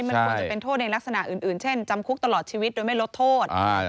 มันควรจะเป็นโทษในลักษณะอื่นเช่นจำคุกตลอดชีวิตโดยไม่ลดโทษ